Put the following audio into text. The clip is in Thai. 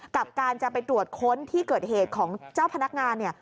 กับการจะไปตรวจค้นที่เกิดเหตุของเจ้าพนักงานเนี่ย